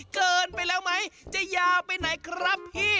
เกินไปแล้วไหมจะยาวไปไหนครับพี่